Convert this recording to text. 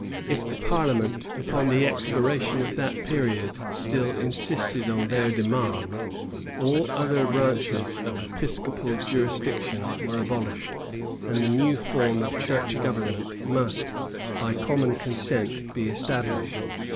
[] If the parliament, upon the expiration of that period, still insisted on their demand, all other branches of episcopal jurisdiction were abolished, and a new form of church government must, by common consent, be established.